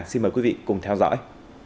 xin mời quý vị cùng theo dõi